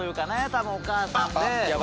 多分お母さんで。